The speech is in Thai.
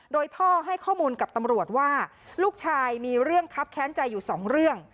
โดยพ่อให้ข้อมูลกับตำรวจว่าลูกชายมีเรื่องครับแค้นใจอยู่สองเรื่อง